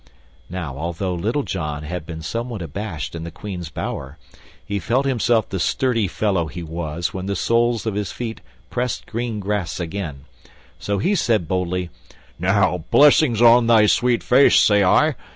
Now, although Little John had been somewhat abashed in the Queen's bower, he felt himself the sturdy fellow he was when the soles of his feet pressed green grass again; so he said boldly, "Now, blessings on thy sweet face, say I.